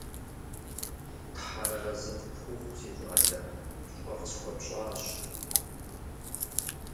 Тхьэр арэзы къыпхухъу, си щӀалэ, пщӀэ къысхуэпщӀащ.